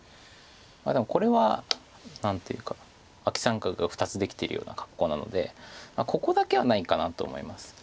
でもこれは何ていうかアキ三角が２つできてるような格好なのでここだけはないかなと思います。